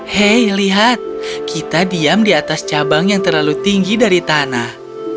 hei lihat kita diam di atas cabang yang terlalu tinggi dari tanah